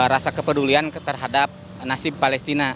rasa kepedulian terhadap nasib palestina